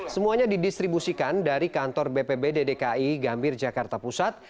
semuanya didistribusikan dari kantor bpbd dki gambir jakarta pusat